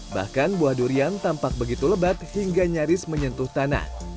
bahkan buah durian tampak begitu lebat hingga nyaris menyentuh tanah